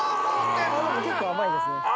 結構甘いですね。